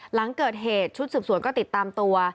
หลังเกิดเหตุชุดสืบสวนก็ติดตามตัว